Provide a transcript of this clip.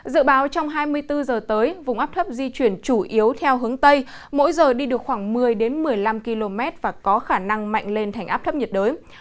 dự báo trong hai mươi bốn giờ tới vùng áp thấp di chuyển chủ yếu theo hướng tây mỗi giờ đi được khoảng một mươi một mươi năm km và có khả năng mạnh lên thành áp thấp nhiệt đới